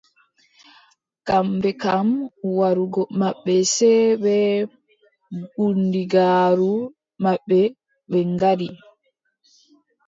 Kamɓe kam warugo maɓɓe sey bee bundigaaru maɓɓe ɓe ngaddi.